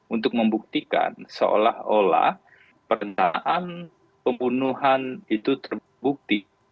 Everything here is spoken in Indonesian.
untuk membuktikan seolah olah pernyataan pembunuhan itu terbukti